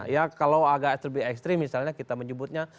ya kalau agak lebih ekstrim misalnya kita menyebutnya